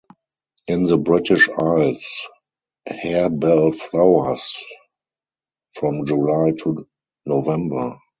In the British Isles, harebell flowers from July to November.